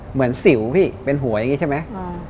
สิวพี่เป็นหัวอย่างนี้ใช่ไหม